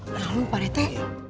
lalu pak rete